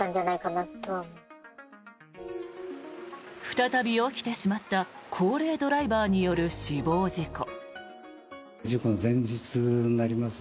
再び起きてしまった高齢ドライバーによる死亡事故。